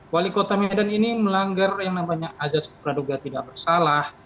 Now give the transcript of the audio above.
wali kota medan ini melanggar yang namanya azaz praduga tidak bersalah